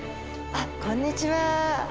あっこんにちは。